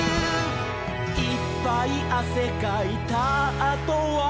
「いっぱいあせかいたあとは」